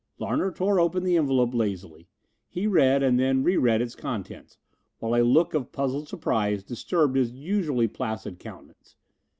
Larner tore open the envelope lazily. He read and then re read its contents, while a look of puzzled surprise disturbed his usually placid countenance.